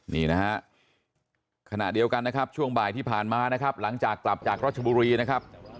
นี่นะฮะขณะเดียวกันนะครับช่วงบ่ายที่ผ่านมานะครับหลังจากกลับจากรัชบุรีนะครับ